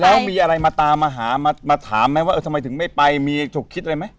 แล้วมีอะไรมาตามมาหามาถามไหมว่าเออทำไมถึงไม่ไปมีฉกคิดอะไรไหม